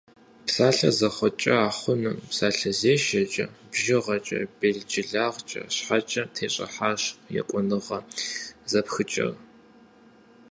Псалъэр зэхъуэкӏа хъуным – псалъэзешэкӏэ, бжыгъэкӏэ, белджылагъкӏэ, щхьэкӏэ тещӏыхьащ екӏуныгъэ зэпхыкӏэр.